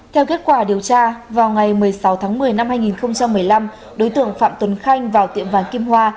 theo kết quả điều tra vào ngày một mươi sáu tháng một mươi năm hai nghìn một mươi năm đối tượng phạm tuấn khanh vào tiệm vàng kim hoa